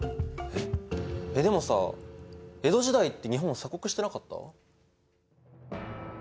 えっでもさ江戸時代って日本は鎖国してなかった？